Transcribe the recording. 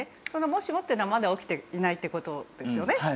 その「もしも」っていうのはまだ起きていないって事ですよね。